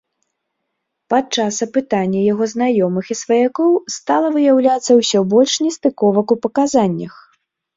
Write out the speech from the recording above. Падчас апытання яго знаёмых і сваякоў стала выяўляцца ўсё больш нестыковак у паказаннях.